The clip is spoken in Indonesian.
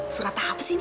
surat apa sih ini